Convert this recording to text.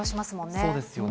そうですね。